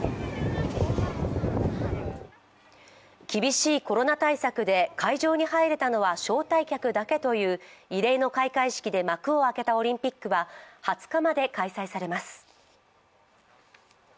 厳しいコロナ対策で会場に入れたのは招待客だけという異例の開会式で幕を開けたオリンピックは２０日まで開催されます。